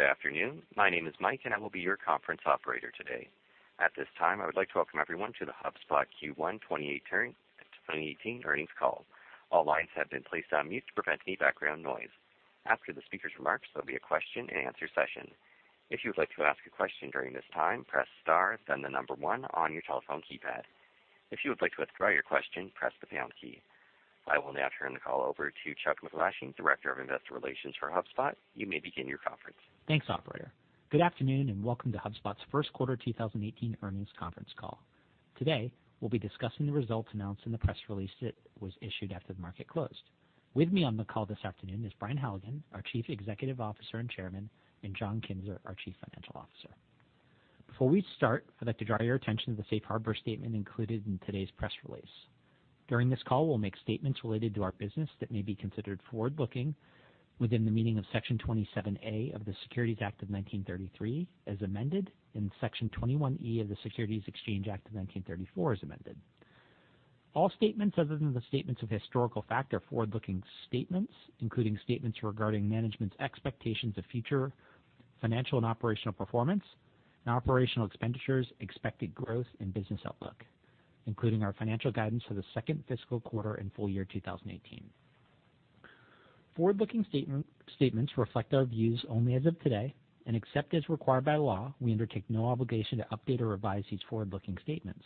Good afternoon. My name is Mike, and I will be your conference operator today. At this time, I would like to welcome everyone to the HubSpot Q1 2018 earnings call. All lines have been placed on mute to prevent any background noise. After the speakers' remarks, there'll be a question and answer session. If you would like to ask a question during this time, press star, then the number one on your telephone keypad. If you would like to withdraw your question, press the pound key. I will now turn the call over to Chuck MacGlashing, Director of Investor Relations for HubSpot. You may begin your conference. Thanks, operator. Good afternoon, and welcome to HubSpot's first quarter 2018 earnings conference call. Today, we'll be discussing the results announced in the press release that was issued after the market closed. With me on the call this afternoon is Brian Halligan, our Chief Executive Officer and Chairman, and John Kinzer, our Chief Financial Officer. Before we start, I'd like to draw your attention to the safe harbor statement included in today's press release. During this call, we'll make statements related to our business that may be considered forward-looking within the meaning of Section 27A of the Securities Act of 1933, as amended, and Section 21E of the Securities Exchange Act of 1934, as amended. All statements other than the statements of historical fact are forward-looking statements, including statements regarding management's expectations of future financial and operational performance and operational expenditures, expected growth, and business outlook, including our financial guidance for the second fiscal quarter and full year 2018. Forward-looking statements reflect our views only as of today, and except as required by law, we undertake no obligation to update or revise these forward-looking statements.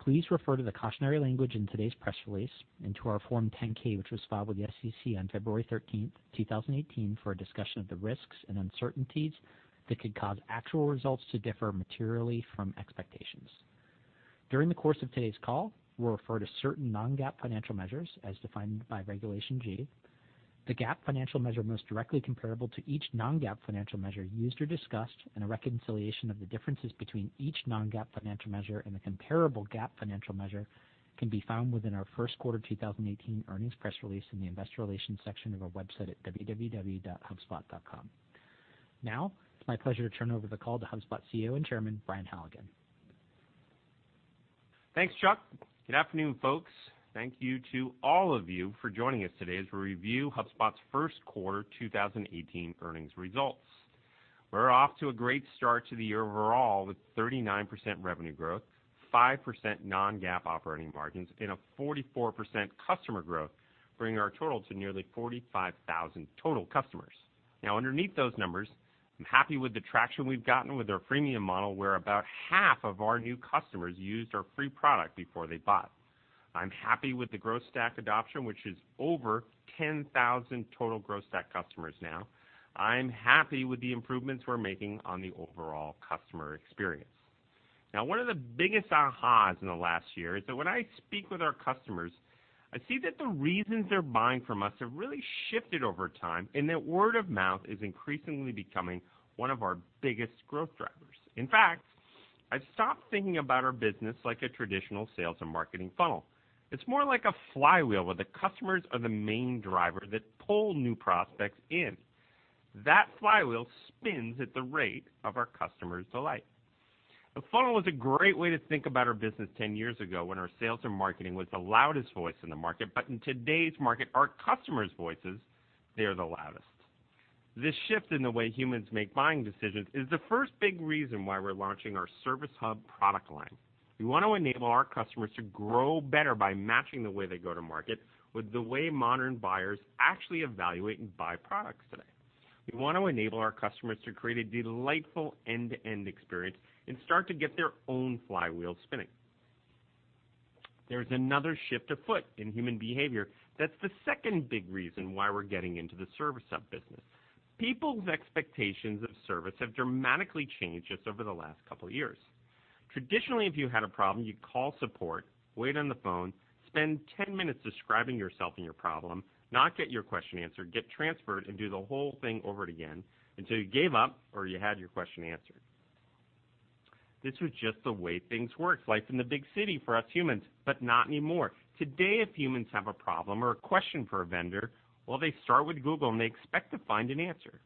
Please refer to the cautionary language in today's press release and to our Form 10-K, which was filed with the SEC on February 13th, 2018, for a discussion of the risks and uncertainties that could cause actual results to differ materially from expectations. During the course of today's call, we'll refer to certain non-GAAP financial measures, as defined by Regulation G. The GAAP financial measure most directly comparable to each non-GAAP financial measure used or discussed, and a reconciliation of the differences between each non-GAAP financial measure and the comparable GAAP financial measure can be found within our first quarter 2018 earnings press release in the investor relations section of our website at www.hubspot.com. Now, it's my pleasure to turn over the call to HubSpot CEO and Chairman, Brian Halligan. Thanks, Chuck. Good afternoon, folks. Thank you to all of you for joining us today as we review HubSpot's first quarter 2018 earnings results. We're off to a great start to the year overall with 39% revenue growth, 5% non-GAAP operating margins, and a 44% customer growth, bringing our total to nearly 45,000 total customers. Underneath those numbers, I'm happy with the traction we've gotten with our freemium model, where about half of our new customers used our free product before they bought. I'm happy with the Growth Stack adoption, which is over 10,000 total Growth Stack customers now. I'm happy with the improvements we're making on the overall customer experience. One of the biggest ahas in the last year is that when I speak with our customers, I see that the reasons they're buying from us have really shifted over time, and that word of mouth is increasingly becoming one of our biggest growth drivers. In fact, I've stopped thinking about our business like a traditional sales and marketing funnel. It's more like a flywheel, where the customers are the main driver that pull new prospects in. That flywheel spins at the rate of our customers' delight. The funnel was a great way to think about our business 10 years ago when our sales and marketing was the loudest voice in the market. In today's market, our customers' voices, they're the loudest. This shift in the way humans make buying decisions is the first big reason why we're launching our Service Hub product line. We want to enable our customers to grow better by matching the way they go to market with the way modern buyers actually evaluate and buy products today. We want to enable our customers to create a delightful end-to-end experience and start to get their own flywheel spinning. There's another shift afoot in human behavior that's the second big reason why we're getting into the Service Hub business. People's expectations of service have dramatically changed just over the last couple of years. Traditionally, if you had a problem, you'd call support, wait on the phone, spend 10 minutes describing yourself and your problem, not get your question answered, get transferred, and do the whole thing over again until you gave up or you had your question answered. This was just the way things worked, life in the big city for us humans, not anymore. Today, if humans have a problem or a question for a vendor, well, they start with Google, they expect to find an answer.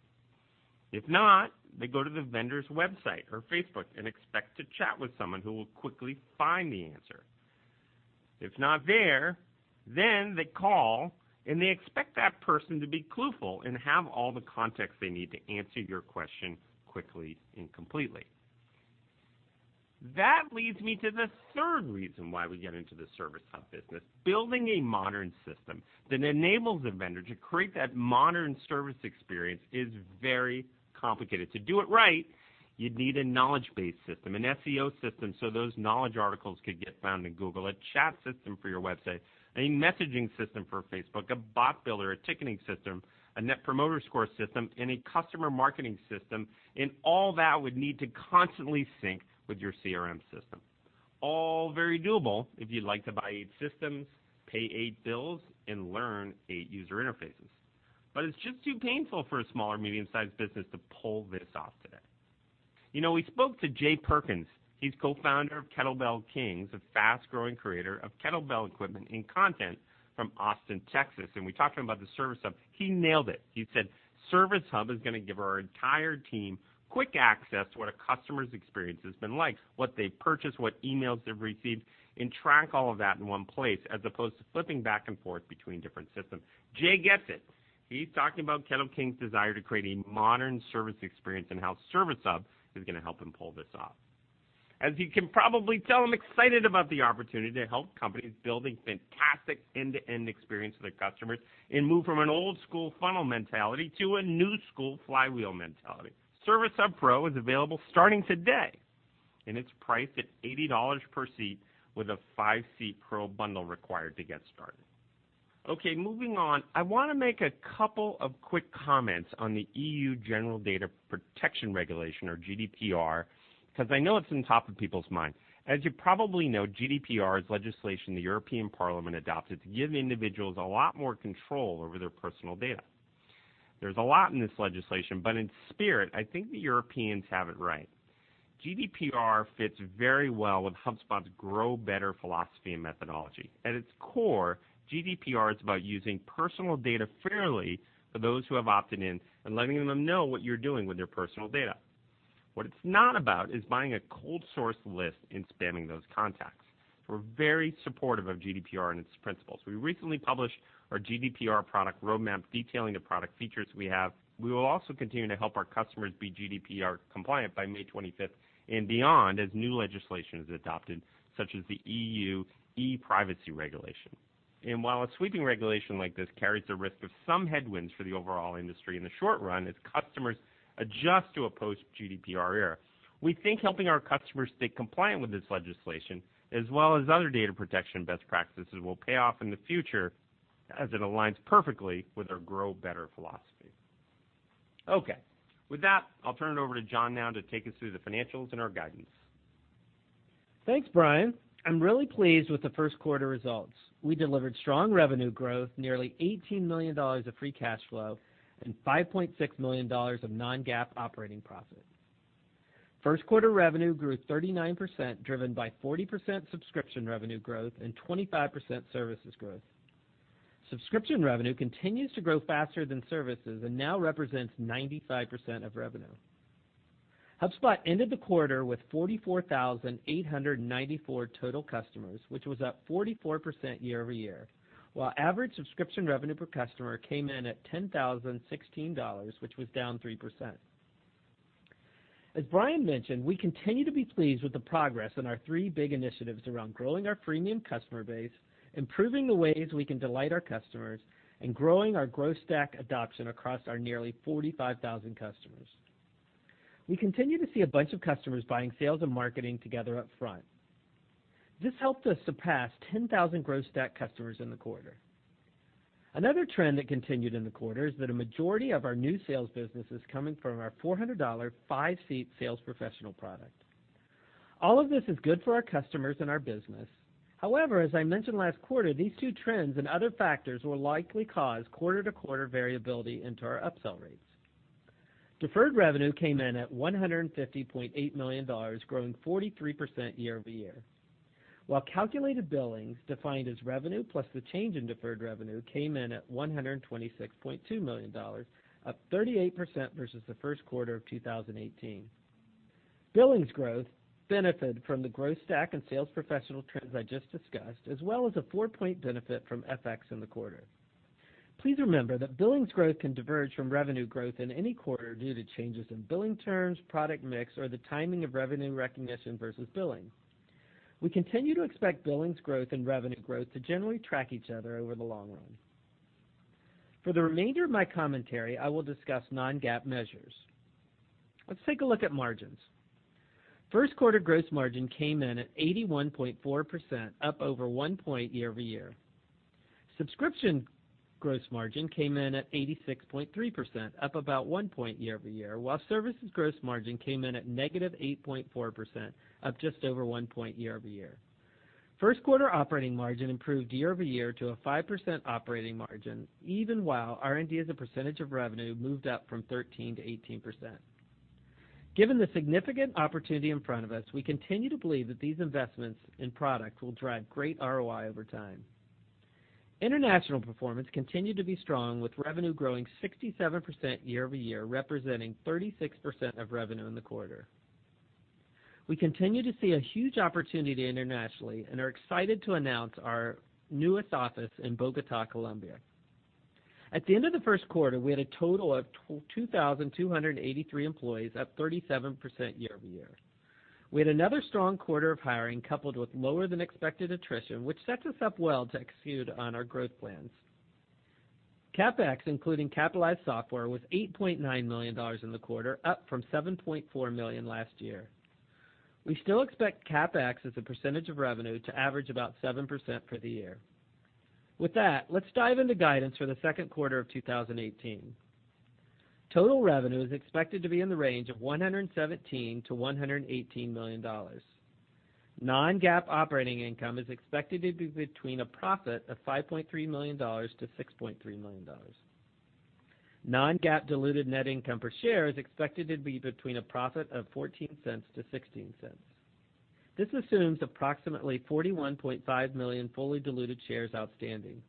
If not, they go to the vendor's website or Facebook and expect to chat with someone who will quickly find the answer. If not there, they call, they expect that person to be clueful and have all the context they need to answer your question quickly and completely. That leads me to the third reason why we get into the Service Hub business. Building a modern system that enables a vendor to create that modern service experience is very complicated. To do it right, you'd need a knowledge base system, an SEO system, so those knowledge articles could get found in Google, a chat system for your website, a messaging system for Facebook, a bot builder, a ticketing system, a net promoter score system, and a customer marketing system. All that would need to constantly sync with your CRM system. All very doable if you'd like to buy eight systems, pay eight bills, and learn eight user interfaces. It's just too painful for a small or medium-sized business to pull this off today. We spoke to Jay Perkins, he's co-founder of Kettlebell Kings, a fast-growing creator of kettlebell equipment and content from Austin, Texas, and we talked to him about the Service Hub. He nailed it. He said, "Service Hub is going to give our entire team quick access to what a customer's experience has been like, what they've purchased, what emails they've received, and track all of that in one place, as opposed to flipping back and forth between different systems." Jay gets it. He's talking about Kettlebell Kings' desire to create a modern service experience and how Service Hub is going to help him pull this off. As you can probably tell, I'm excited about the opportunity to help companies build a fantastic end-to-end experience for their customers and move from an old school funnel mentality to a new school flywheel mentality. Service Hub Pro is available starting today, and it's priced at $80 per seat, with a five-seat pro bundle required to get started. Okay, moving on. I want to make a couple of quick comments on the EU General Data Protection Regulation, or GDPR, because I know it's in the top of people's minds. As you probably know, GDPR is legislation the European Parliament adopted to give individuals a lot more control over their personal data. There's a lot in this legislation, but in spirit, I think the Europeans have it right. GDPR fits very well with HubSpot's Grow Better philosophy and methodology. At its core, GDPR is about using personal data fairly for those who have opted in and letting them know what you're doing with their personal data. What it's not about is buying a cold source list and spamming those contacts. We're very supportive of GDPR and its principles. We recently published our GDPR product roadmap detailing the product features we have. We will also continue to help our customers be GDPR compliant by May 25th and beyond, as new legislation is adopted, such as the EU ePrivacy Regulation. While a sweeping regulation like this carries a risk of some headwinds for the overall industry in the short run as customers adjust to a post-GDPR era, we think helping our customers stay compliant with this legislation, as well as other data protection best practices, will pay off in the future as it aligns perfectly with our Grow Better philosophy. Okay. With that, I'll turn it over to John now to take us through the financials and our guidance. Thanks, Brian. I am really pleased with the first quarter results. We delivered strong revenue growth, nearly $18 million of free cash flow, and $5.6 million of non-GAAP operating profit. First quarter revenue grew 39%, driven by 40% subscription revenue growth and 25% services growth. Subscription revenue continues to grow faster than services and now represents 95% of revenue. HubSpot ended the quarter with 44,894 total customers, which was up 44% year-over-year, while average subscription revenue per customer came in at $10,016, which was down 3%. As Brian mentioned, we continue to be pleased with the progress on our three big initiatives around growing our freemium customer base, improving the ways we can delight our customers, and growing our Growth Stack adoption across our nearly 45,000 customers. We continue to see a bunch of customers buying sales and marketing together up front. This helped us surpass 10,000 Growth Stack customers in the quarter. Another trend that continued in the quarter is that a majority of our new sales business is coming from our $400 five-seat sales professional product. All of this is good for our customers and our business. However, as I mentioned last quarter, these two trends and other factors will likely cause quarter-to-quarter variability into our upsell rates. Deferred revenue came in at $150.8 million, growing 43% year-over-year. While calculated billings, defined as revenue plus the change in deferred revenue, came in at $126.2 million, up 38% versus the first quarter of 2018. Billings growth benefited from the Growth Stack and sales professional trends I just discussed, as well as a four-point benefit from FX in the quarter. Please remember that billings growth can diverge from revenue growth in any quarter due to changes in billing terms, product mix, or the timing of revenue recognition versus billing. We continue to expect billings growth and revenue growth to generally track each other over the long run. For the remainder of my commentary, I will discuss non-GAAP measures. Let's take a look at margins. First quarter gross margin came in at 81.4%, up over one point year-over-year. Subscription gross margin came in at 86.3%, up about one point year-over-year, while services gross margin came in at negative 8.4%, up just over one point year-over-year. First quarter operating margin improved year-over-year to a 5% operating margin, even while R&D as a percentage of revenue moved up from 13% to 18%. Given the significant opportunity in front of us, we continue to believe that these investments in product will drive great ROI over time. International performance continued to be strong, with revenue growing 67% year-over-year, representing 36% of revenue in the quarter. We continue to see a huge opportunity internationally and are excited to announce our newest office in Bogota, Colombia. At the end of the first quarter, we had a total of 2,283 employees, up 37% year-over-year. We had another strong quarter of hiring coupled with lower than expected attrition, which sets us up well to execute on our growth plans. CapEx, including capitalized software, was $8.9 million in the quarter, up from $7.4 million last year. We still expect CapEx as a percentage of revenue to average about 7% for the year. With that, let's dive into guidance for the second quarter of 2018. Total revenue is expected to be in the range of $117 to $118 million. Non-GAAP operating income is expected to be between a profit of $5.3 million to $6.3 million. Non-GAAP diluted net income per share is expected to be between a profit of $0.14 to $0.16. This assumes approximately 41.5 million fully diluted shares outstanding.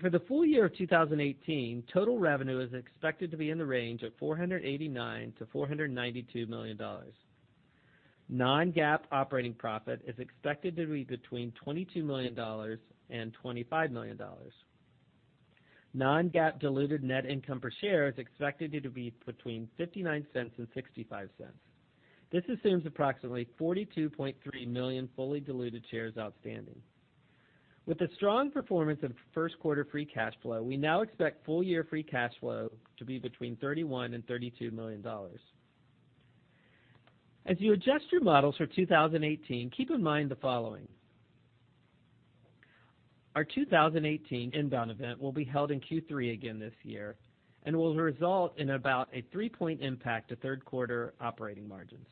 For the full year of 2018, total revenue is expected to be in the range of $489 to $492 million. Non-GAAP operating profit is expected to be between $22 million and $25 million. Non-GAAP diluted net income per share is expected to be between $0.59 and $0.65. This assumes approximately 42.3 million fully diluted shares outstanding. With the strong performance of first quarter free cash flow, we now expect full year free cash flow to be between $31 and $32 million. As you adjust your models for 2018, keep in mind the following. Our 2018 Inbound event will be held in Q3 again this year, and will result in about a three-point impact to third quarter operating margins.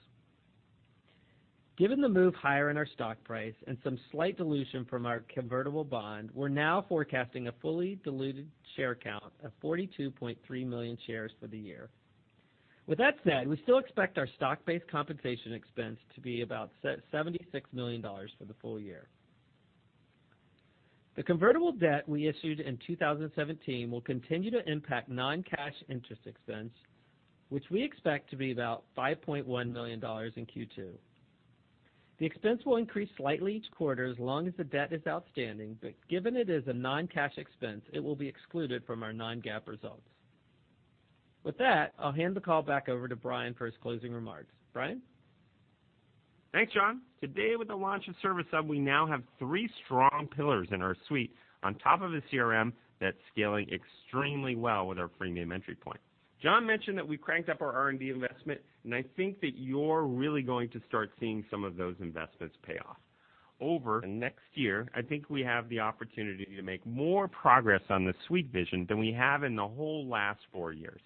Given the move higher in our stock price and some slight dilution from our convertible bond, we're now forecasting a fully diluted share count of 42.3 million shares for the year. With that said, we still expect our stock-based compensation expense to be about $76 million for the full year. The convertible debt we issued in 2017 will continue to impact non-cash interest expense, which we expect to be about $5.1 million in Q2. The expense will increase slightly each quarter as long as the debt is outstanding, but given it is a non-cash expense, it will be excluded from our non-GAAP results. With that, I'll hand the call back over to Brian for his closing remarks. Brian? Thanks, John. Today, with the launch of Service Hub, we now have three strong pillars in our suite on top of a CRM that's scaling extremely well with our freemium entry point. John mentioned that we cranked up our R&D investment, and I think that you're really going to start seeing some of those investments pay off. Over next year, I think we have the opportunity to make more progress on the suite vision than we have in the whole last four years.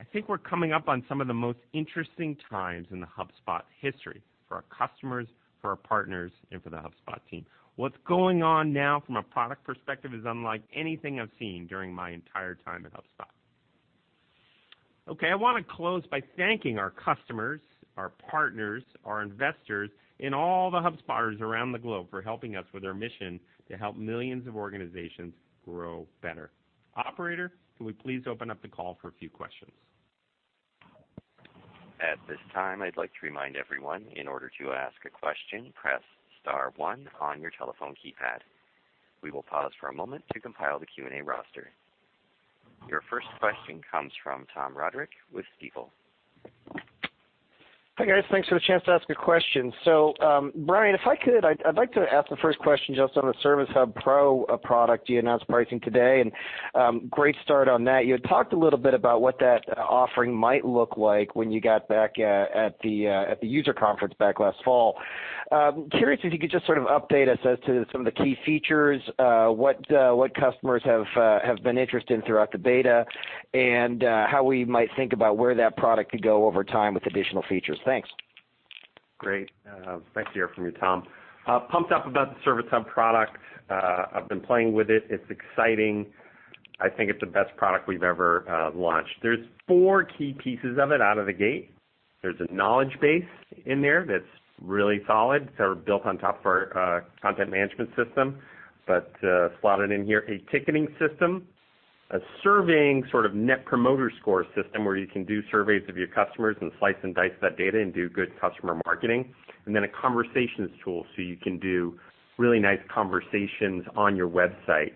I think we're coming up on some of the most interesting times in the HubSpot history for our customers, for our partners, and for the HubSpot team. What's going on now from a product perspective is unlike anything I've seen during my entire time at HubSpot. I want to close by thanking our customers, our partners, our investors, and all the HubSpotters around the globe for helping us with our mission to help millions of organizations grow better. Operator, can we please open up the call for a few questions? At this time, I'd like to remind everyone, in order to ask a question, press star one on your telephone keypad. We will pause for a moment to compile the Q&A roster. Your first question comes from Tom Roderick with Stifel. Hi, guys. Thanks for the chance to ask a question. Brian, if I could, I'd like to ask the first question just on the Service Hub Professional product you announced pricing today, and great start on that. You had talked a little bit about what that offering might look like when you got back at the user conference back last fall. Curious if you could just sort of update us as to some of the key features, what customers have been interested in throughout the beta, and how we might think about where that product could go over time with additional features. Thanks. Great. Thanks to hear from you, Tom. Pumped up about the Service Hub product. I've been playing with it. It's exciting. I think it's the best product we've ever launched. There's four key pieces of it out of the gate. There's a knowledge base in there that's really solid. Sort of built on top of our content management system, but slotted in here. A ticketing system, a surveying sort of net promoter score system where you can do surveys of your customers and slice and dice that data and do good customer marketing, and then a conversations tool, so you can do really nice conversations on your website,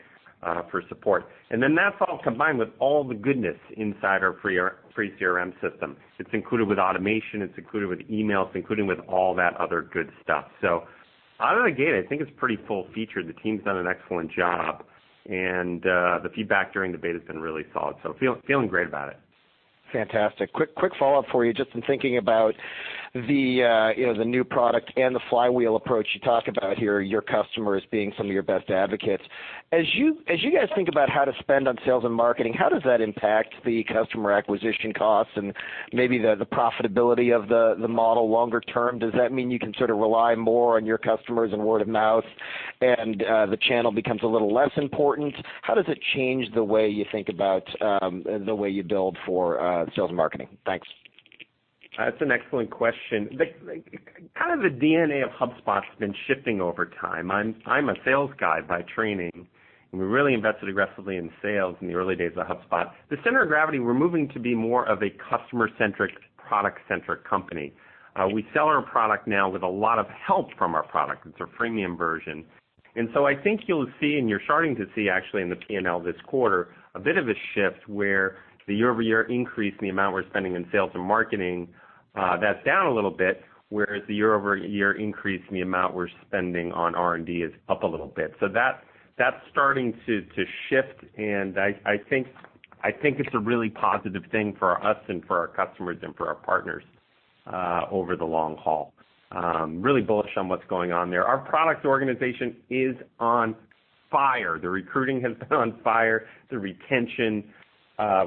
for support. That's all combined with all the goodness inside our free CRM system. It's included with automation, it's included with emails, it's included with all that other good stuff. Out of the gate, I think it's pretty full featured. The team's done an excellent job, and the feedback during the beta's been really solid, feeling great about it. Fantastic. Quick follow-up for you. Just in thinking about the new product and the flywheel approach you talk about here, your customers being some of your best advocates. As you guys think about how to spend on sales and marketing, how does that impact the customer acquisition costs and maybe the profitability of the model longer term? Does that mean you can sort of rely more on your customers and word of mouth, and the channel becomes a little less important? How does it change the way you think about the way you build for sales and marketing? Thanks. That's an excellent question. The kind of the DNA of HubSpot has been shifting over time. I'm a sales guy by training, and we really invested aggressively in sales in the early days of HubSpot. The center of gravity, we're moving to be more of a customer-centric, product-centric company. We sell our product now with a lot of help from our product. It's our freemium version. I think you'll see, and you're starting to see, actually, in the P&L this quarter, a bit of a shift where the year-over-year increase in the amount we're spending in sales and marketing, that's down a little bit, whereas the year-over-year increase in the amount we're spending on R&D is up a little bit. That's starting to shift, and I think it's a really positive thing for us and for our customers and for our partners over the long haul. Really bullish on what's going on there. Our product organization is on fire. The recruiting has been on fire, the retention.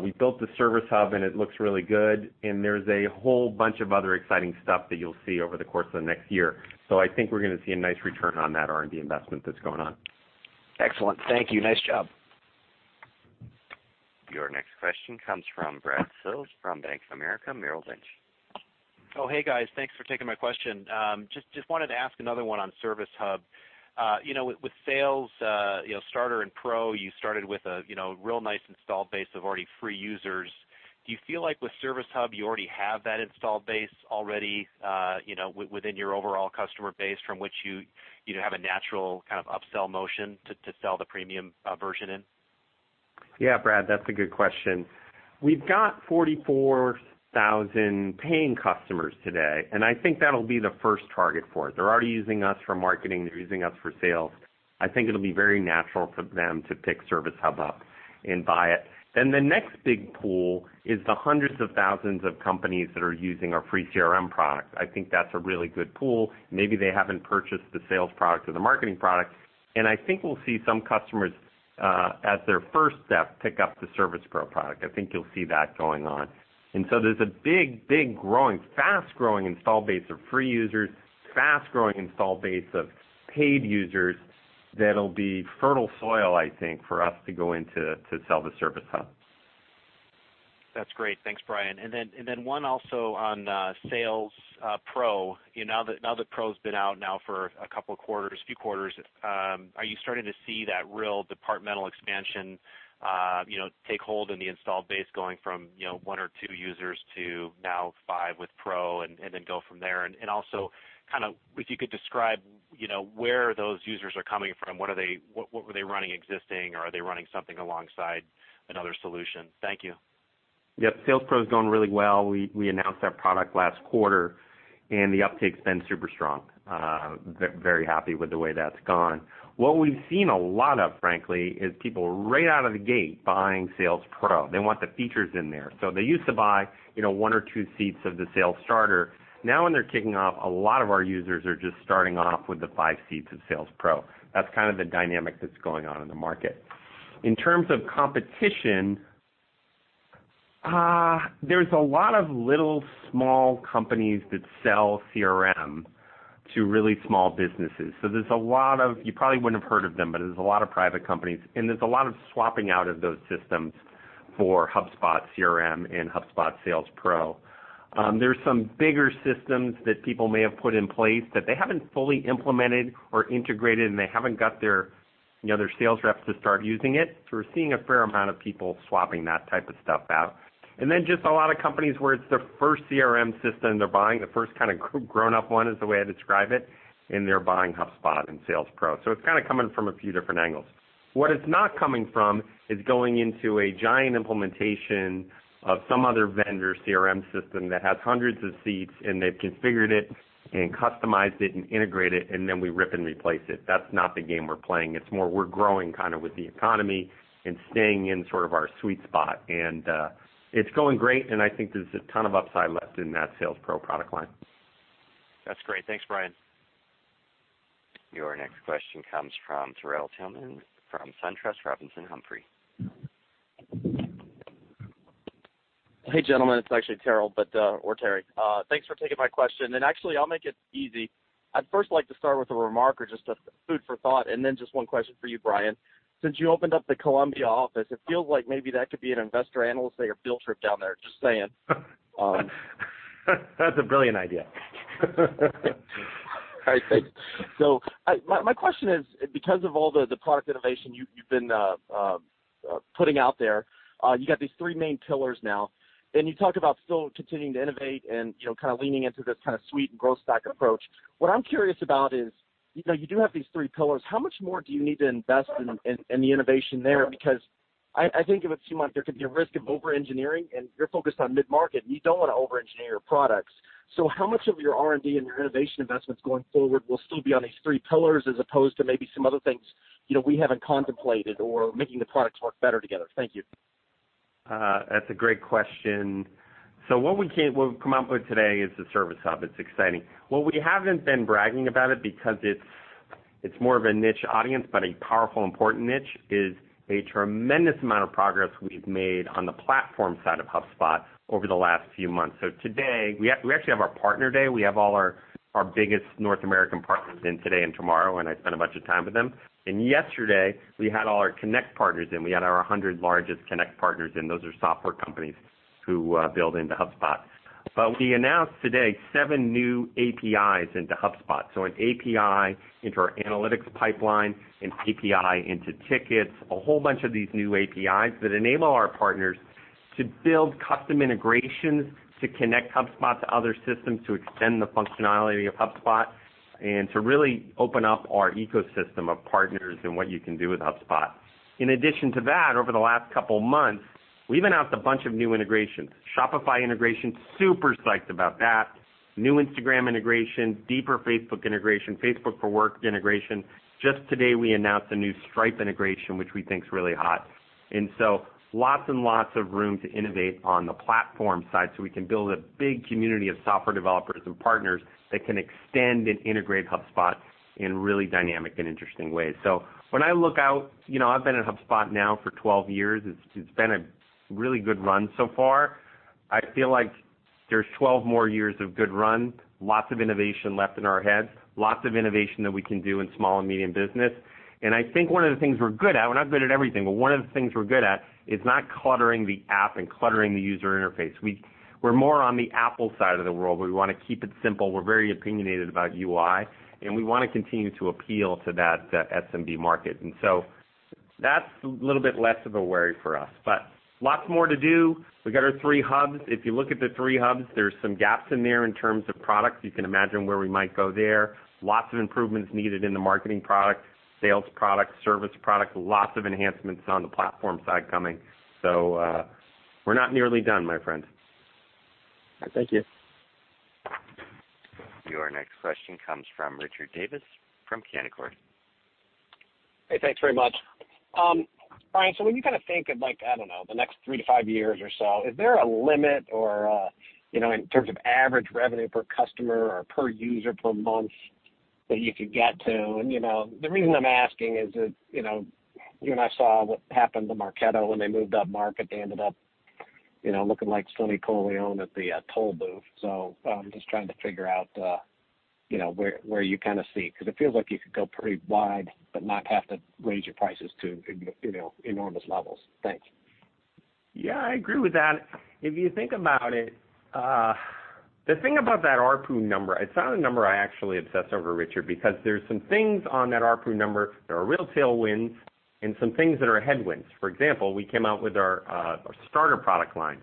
We built the Service Hub, and it looks really good, and there's a whole bunch of other exciting stuff that you'll see over the course of the next year. I think we're going to see a nice return on that R&D investment that's going on. Excellent. Thank you. Nice job. Your next question comes from Brad Sills from Bank of America Merrill Lynch. Oh, hey, guys, thanks for taking my question. Just wanted to ask another one on Service Hub. With Sales Starter and Pro, you started with a real nice installed base of already free users. Do you feel like with Service Hub, you already have that installed base already within your overall customer base from which you have a natural kind of upsell motion to sell the premium version in? Brad, that's a good question. We've got 44,000 paying customers today, and I think that'll be the first target for it. They're already using us for marketing. They're using us for sales. I think it'll be very natural for them to pick Service Hub up and buy it. Then the next big pool is the hundreds of thousands of companies that are using our free CRM product. I think that's a really good pool. Maybe they haven't purchased the sales product or the marketing product, and I think we'll see some customers, as their first step, pick up the Service Pro product. I think you'll see that going on. There's a big growing, fast-growing installed base of free users, fast-growing installed base of paid users that'll be fertile soil, I think, for us to go in to sell the Service Hub. That's great. Thanks, Brian. One also on Sales Pro. Now that Pro's been out now for a couple of quarters, few quarters, are you starting to see that real departmental expansion take hold in the installed base going from one or two users to now five with Pro and then go from there? Also, if you could describe where those users are coming from, what were they running existing, or are they running something alongside another solution? Thank you. Yep, Sales Pro is going really well. We announced that product last quarter, the uptake's been super strong. Very happy with the way that's gone. What we've seen a lot of, frankly, is people right out of the gate buying Sales Pro. They want the features in there. They used to buy one or two seats of the Sales Starter. Now when they're kicking off, a lot of our users are just starting off with the five seats of Sales Pro. That's kind of the dynamic that's going on in the market. In terms of competition, there's a lot of little, small companies that sell CRM to really small businesses. There's a lot of, you probably wouldn't have heard of them, but there's a lot of private companies, and there's a lot of swapping out of those systems for HubSpot CRM and HubSpot Sales Pro. There's some bigger systems that people may have put in place that they haven't fully implemented or integrated, and they haven't got their sales reps to start using it. We're seeing a fair amount of people swapping that type of stuff out. Just a lot of companies where it's their first CRM system they're buying, the first kind of grown-up one, is the way I describe it, and they're buying HubSpot and Sales Pro. It's kind of coming from a few different angles. Where it's not coming from is going into a giant implementation of some other vendor CRM system that has hundreds of seats, and they've configured it and customized it and integrated it, and then we rip and replace it. That's not the game we're playing. It's more we're growing kind of with the economy and staying in sort of our sweet spot, and it's going great, and I think there's a ton of upside left in that Sales Pro product line. That's great. Thanks, Brian. Your next question comes from Terry Tillman from SunTrust Robinson Humphrey. Hey, gentlemen. It's actually Terrell, or Terry. Thanks for taking my question. Actually, I'll make it easy. I'd first like to start with a remark or just a food for thought. Then just one question for you, Brian. Since you opened up the Colombia office, it feels like maybe that could be an investor analyst day or field trip down there. Just saying. That's a brilliant idea. All right, thanks. My question is, because of all the product innovation you've been putting out there, you got these three main pillars now, and you talk about still continuing to innovate and kind of leaning into this kind of suite and Growth Stack approach. What I'm curious about is, you do have these three pillars. How much more do you need to invest in the innovation there? Because I think in a few months, there could be a risk of over-engineering, and you're focused on mid-market, and you don't want to over-engineer your products. How much of your R&D and your innovation investments going forward will still be on these three pillars as opposed to maybe some other things we haven't contemplated or making the products work better together? Thank you. That's a great question. What we've come out with today is the Service Hub. It's exciting. What we haven't been bragging about it because it's more of a niche audience, but a powerful, important niche, is a tremendous amount of progress we've made on the platform side of HubSpot over the last few months. Today, we actually have our partner day. We have all our biggest North American partners in today and tomorrow, and I spent a bunch of time with them. Yesterday, we had all our Connect partners in. We had our 100 largest Connect partners in. Those are software companies who build into HubSpot. We announced today seven new APIs into HubSpot. An API into our analytics pipeline, an API into tickets, a whole bunch of these new APIs that enable our partners to build custom integrations to connect HubSpot to other systems to extend the functionality of HubSpot and to really open up our ecosystem of partners and what you can do with HubSpot. In addition to that, over the last couple of months, we've announced a bunch of new integrations. Shopify integration, super psyched about that. New Instagram integration, deeper Facebook integration, Workplace by Facebook integration. Just today, we announced a new Stripe integration, which we think is really hot. Lots and lots of room to innovate on the platform side so we can build a big community of software developers and partners that can extend and integrate HubSpot in really dynamic and interesting ways. When I look out, I've been at HubSpot now for 12 years. It's been a really good run so far. I feel like there's 12 more years of good run, lots of innovation left in our heads, lots of innovation that we can do in small and medium business. I think one of the things we're good at, we're not good at everything, but one of the things we're good at is not cluttering the app and cluttering the user interface. We're more on the Apple side of the world where we want to keep it simple. We're very opinionated about UI, and we want to continue to appeal to that SMB market. That's a little bit less of a worry for us, but lots more to do. We've got our three hubs. If you look at the three hubs, there's some gaps in there in terms of products. You can imagine where we might go there. Lots of improvements needed in the marketing product, sales product, service product. Lots of enhancements on the platform side coming. We're not nearly done, my friend. Thank you. Your next question comes from Richard Davis from Canaccord. Hey, thanks very much, Brian. When you think of, I don't know, the next three to five years or so, is there a limit in terms of average revenue per customer or per user per month that you could get to? The reason I'm asking is that I saw what happened to Marketo when they moved up market. They ended up looking like Sonny Corleone at the toll booth. Just trying to figure out where you kind of see, because it feels like you could go pretty wide but not have to raise your prices to enormous levels. Thanks. Yeah, I agree with that. If you think about it, the thing about that ARPU number, it's not a number I actually obsess over, Richard, because there's some things on that ARPU number that are real tailwinds and some things that are headwinds. For example, we came out with our starter product line.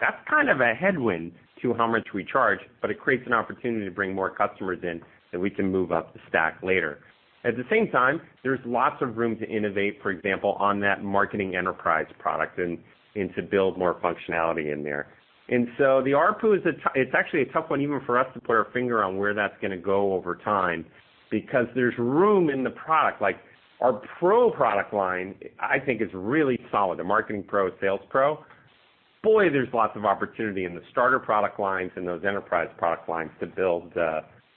That's kind of a headwind to how much we charge, but it creates an opportunity to bring more customers in so we can move up the stack later. At the same time, there's lots of room to innovate, for example, on that marketing enterprise product and to build more functionality in there. The ARPU, it's actually a tough one even for us to put our finger on where that's going to go over time because there's room in the product. Like our Pro product line, I think is really solid. The Marketing Pro, Sales Pro. Boy, there's lots of opportunity in the starter product lines and those enterprise product lines to build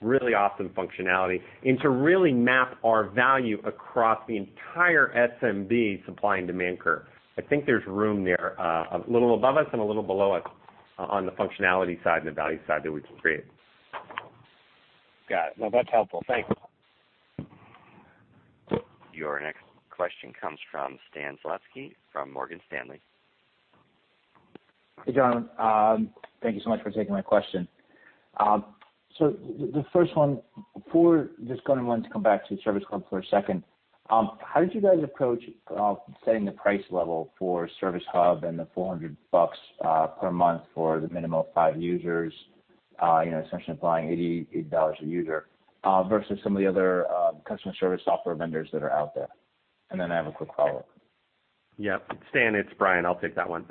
really awesome functionality and to really map our value across the entire SMB supply and demand curve. I think there's room there, a little above us and a little below us on the functionality side and the value side that we can create. Got it. No, that's helpful. Thanks. Your next question comes from Stan Zaleski from Morgan Stanley. Hey, John. Thank you so much for taking my question. The first one before just going on to come back to Service Hub for a second. How did you guys approach setting the price level for Service Hub and the $400 per month for the minimum of five users, essentially applying $88 a user, versus some of the other customer service software vendors that are out there? Then I have a quick follow-up. Yeah. Stan, it's Brian. I'll take that one.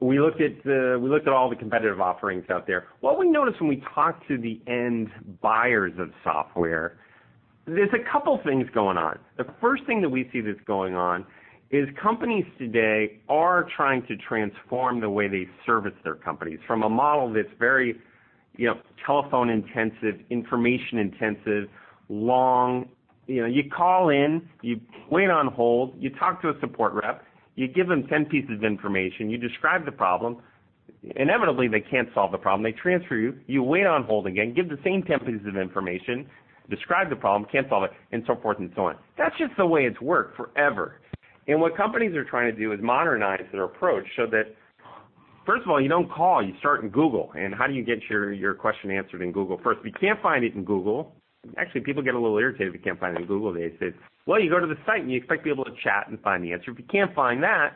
We looked at all the competitive offerings out there. What we noticed when we talked to the end buyers of software, there's a couple things going on. The first thing that we see that's going on is companies today are trying to transform the way they service their companies from a model that's very telephone-intensive, information-intensive, long. You call in, you wait on hold, you talk to a support rep, you give them 10 pieces of information, you describe the problem. Inevitably, they can't solve the problem. They transfer you. You wait on hold again, give the same 10 pieces of information, describe the problem, can't solve it, and so forth and so on. That's just the way it's worked forever. What companies are trying to do is modernize their approach so that, first of all, you don't call, you start in Google. How do you get your question answered in Google first? If you can't find it in Google, actually, people get a little irritated if you can't find it in Google. They say, "Well, you go to the site and you expect to be able to chat and find the answer." If you can't find that,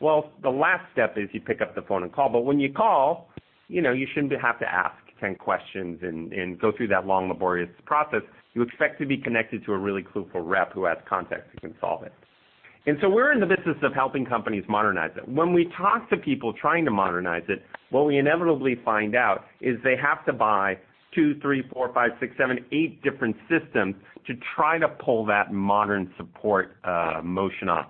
well, the last step is you pick up the phone and call. When you call, you shouldn't have to ask 10 questions and go through that long, laborious process. You expect to be connected to a really clueful rep who has context, who can solve it. We're in the business of helping companies modernize it. When we talk to people trying to modernize it, what we inevitably find out is they have to buy two, three, four, five, six, seven, eight different systems to try to pull that modern support motion off.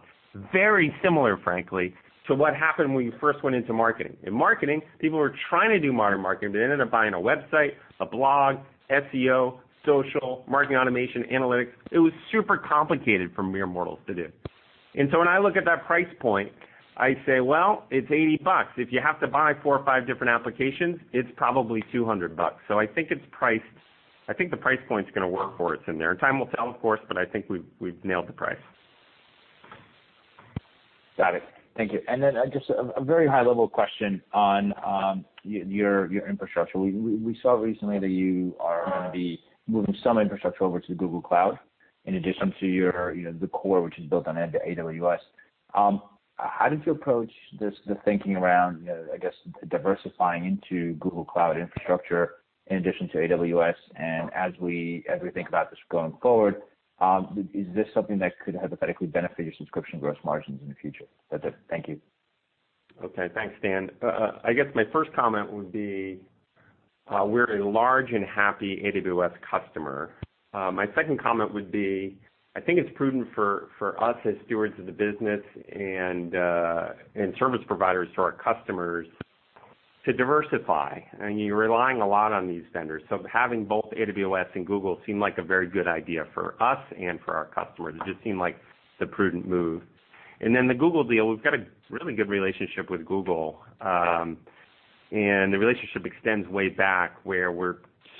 Very similar, frankly, to what happened when you first went into marketing. In marketing, people were trying to do modern marketing, but they ended up buying a website, a blog, SEO, social, marketing automation, analytics. It was super complicated for mere mortals to do. When I look at that price point, I say, "Well, it's $80. If you have to buy four or five different applications, it's probably $200." I think the price point's gonna work for us in there. Time will tell, of course, but I think we've nailed the price. Got it. Thank you. Just a very high-level question on your infrastructure. We saw recently that you are gonna be moving some infrastructure over to Google Cloud in addition to the core, which is built on AWS. How did you approach the thinking around, I guess, diversifying into Google Cloud infrastructure in addition to AWS? As we think about this going forward, is this something that could hypothetically benefit your subscription gross margins in the future? That's it. Thank you. Okay. Thanks, Stan. I guess my first comment would be, we're a large and happy AWS customer. My second comment would be, I think it's prudent for us as stewards of the business and service providers to our customers to diversify. You're relying a lot on these vendors. Having both AWS and Google seemed like a very good idea for us and for our customers. It just seemed like the prudent move. The Google deal, we've got a really good relationship with Google. The relationship extends way back where we're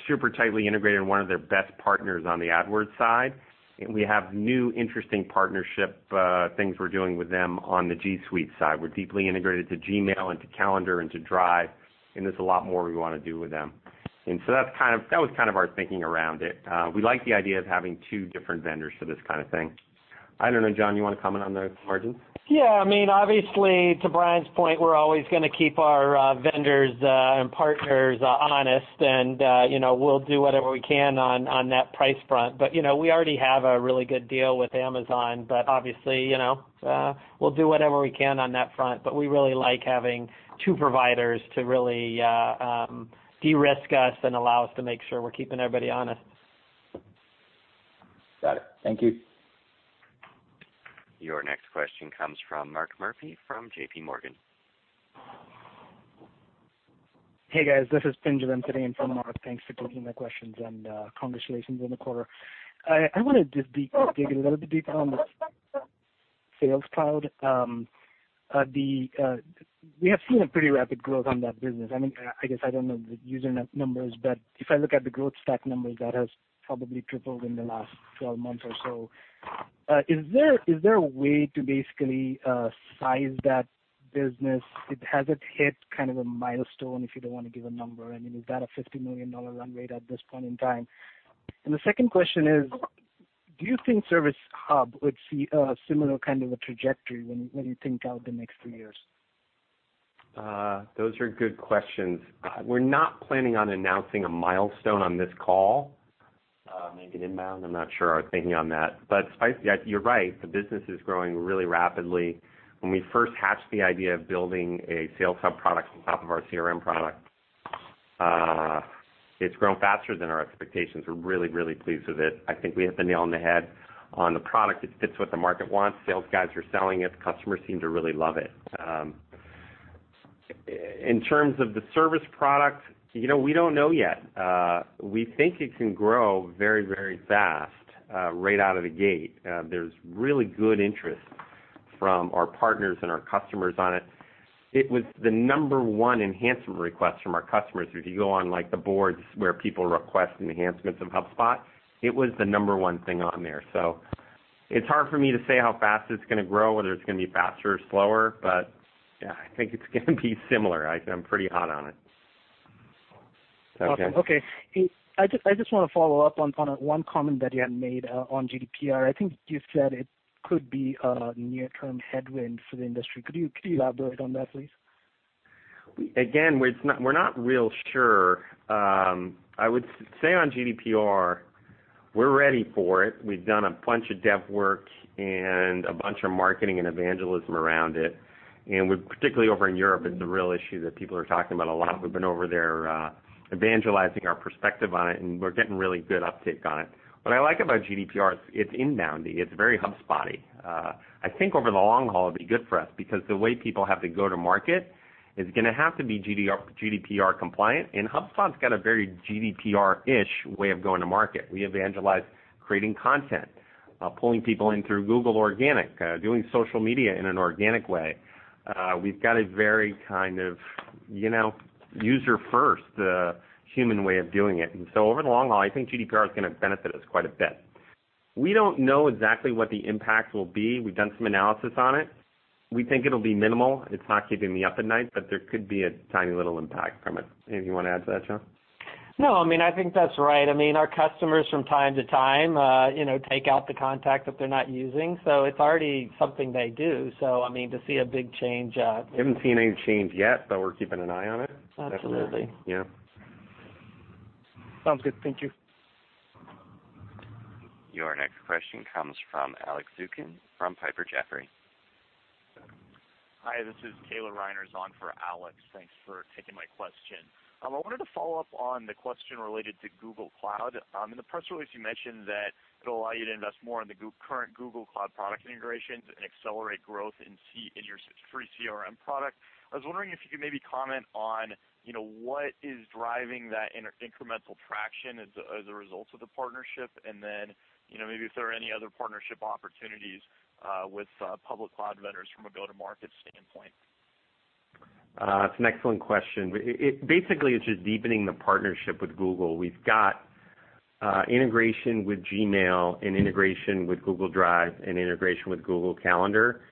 super tightly integrated and one of their best partners on the AdWords side. We have new, interesting partnership things we're doing with them on the G Suite side. We're deeply integrated to Gmail and to Calendar and to Drive, and there's a lot more we want to do with them. That was kind of our thinking around it. We like the idea of having two different vendors for this kind of thing. I don't know, John, you want to comment on the margins? Yeah. Obviously, to Brian's point, we're always going to keep our vendors and partners honest, we'll do whatever we can on that price front. We already have a really good deal with Amazon, obviously, we'll do whatever we can on that front. We really like having two providers to really de-risk us and allow us to make sure we're keeping everybody honest. Got it. Thank you. Your next question comes from Mark Murphy from J.P. Morgan. Hey, guys. This is Pinjal today in for Mark. Thanks for taking my questions, congratulations on the quarter. I want to just dig a little bit deeper on the Sales Hub. We have seen a pretty rapid growth on that business. I guess I don't know the user numbers, but if I look at the Growth Stack numbers, that has probably tripled in the last 12 months or so. Is there a way to basically size that business? Has it hit kind of a milestone, if you don't want to give a number? I mean, is that a $50 million run rate at this point in time? The second question is, do you think Service Hub would see a similar kind of a trajectory when you think out the next few years? Those are good questions. We're not planning on announcing a milestone on this call. Maybe an Inbound, I'm not sure our thinking on that. You're right, the business is growing really rapidly. When we first hatched the idea of building a Sales Hub product on top of our CRM product, it's grown faster than our expectations. We're really, really pleased with it. I think we hit the nail on the head on the product. It fits what the market wants. Sales guys are selling it. The customers seem to really love it. In terms of the Service Hub product, we don't know yet. We think it can grow very fast, right out of the gate. There's really good interest from our partners and our customers on it. It was the number one enhancement request from our customers. If you go on the boards where people request enhancements of HubSpot, it was the number one thing on there. It's hard for me to say how fast it's going to grow, whether it's going to be faster or slower, yeah, I think it's going to be similar. I'm pretty hot on it. Okay. I just want to follow up on one comment that you had made on GDPR. I think you said it could be a near-term headwind for the industry. Could you elaborate on that, please? Again, we're not real sure. I would say on GDPR, we're ready for it. We've done a bunch of dev work and a bunch of marketing and evangelism around it, particularly over in Europe, it's a real issue that people are talking about a lot. We've been over there evangelizing our perspective on it, we're getting really good uptake on it. What I like about GDPR, it's inboundy, it's very HubSpotty. I think over the long haul, it'll be good for us because the way people have to go to market is going to have to be GDPR compliant, HubSpot's got a very GDPR-ish way of going to market. We evangelize creating content, pulling people in through Google Organic, doing social media in an organic way. We've got a very kind of user first, human way of doing it. Over the long haul, I think GDPR is going to benefit us quite a bit. We don't know exactly what the impact will be. We've done some analysis on it. We think it'll be minimal. It's not keeping me up at night, but there could be a tiny little impact from it. Anything you want to add to that, John? No, I think that's right. Our customers from time to time take out the contacts that they're not using, so it's already something they do. To see a big change. We haven't seen any change yet, but we're keeping an eye on it. Absolutely. Definitely. Yeah. Sounds good. Thank you. Your next question comes from Alex Zukin from Piper Jaffray. Hi, this is Caleb Reiner on for Alex. Thanks for taking my question. I wanted to follow up on the question related to Google Cloud. In the press release, you mentioned that it'll allow you to invest more in the current Google Cloud product integrations and accelerate growth in your free CRM product. I was wondering if you could maybe comment on what is driving that incremental traction as a result of the partnership, and then maybe if there are any other partnership opportunities with public cloud vendors from a go-to-market standpoint. It's an excellent question. Basically, it's just deepening the partnership with Google. We've got integration with Gmail and integration with Google Drive and integration with Google Calendar,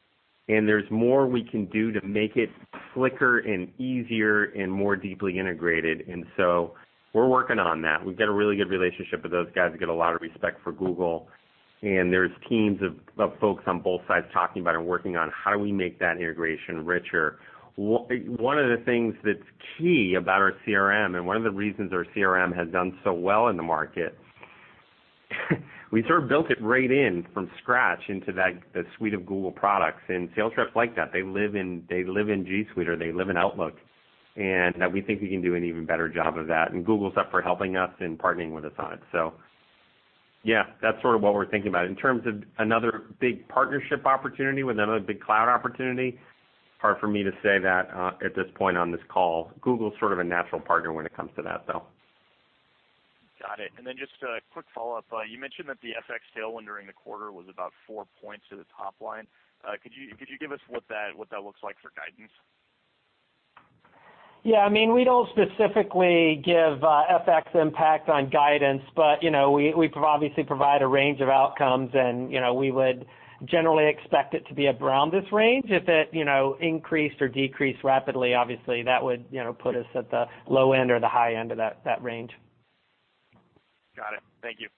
and there's more we can do to make it quicker and easier and more deeply integrated. We're working on that. We've got a really good relationship with those guys. We've got a lot of respect for Google, and there's teams of folks on both sides talking about and working on how do we make that integration richer. One of the things that's key about our CRM, and one of the reasons our CRM has done so well in the market, we sort of built it right in from scratch into that suite of Google products. Sales reps like that. They live in G Suite, or they live in Outlook. We think we can do an even better job of that, and Google's up for helping us and partnering with us on it. Yeah, that's sort of what we're thinking about. In terms of another big partnership opportunity with another big cloud opportunity, hard for me to say that at this point on this call. Google's sort of a natural partner when it comes to that, though. Got it. Then just a quick follow-up. You mentioned that the FX tailwind during the quarter was about four points to the top line. Could you give us what that looks like for guidance? Yeah. We don't specifically give FX impact on guidance, we obviously provide a range of outcomes, and we would generally expect it to be around this range. If it increased or decreased rapidly, obviously that would put us at the low end or the high end of that range. Got it. Thank you.